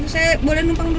saya boleh numpang dulu